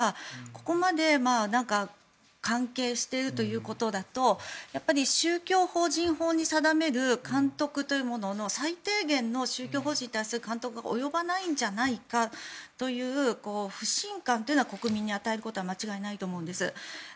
この閣僚レベルの人たちがここまで関係しているということだとやっぱり宗教法人法に定める監督というものの最低限の宗教法人に対する監督が及ばないんじゃないかという不信感というのは国民に与えることは間違いないと思うんです。